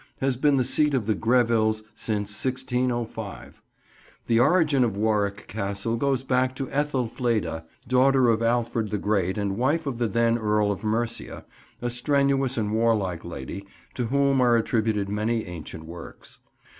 has been the seat of the Grevilles since 1605. The origin of Warwick Castle goes back to Ethelfleda, daughter of Alfred the Great and wife of the then Earl of Mercia, a strenuous and warlike lady, to whom are attributed many ancient works.